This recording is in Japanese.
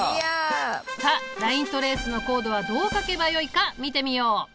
さあライントレースのコードはどう書けばよいか見てみよう！